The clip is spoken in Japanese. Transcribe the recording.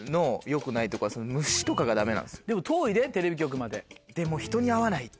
でも遠いでテレビ局まで。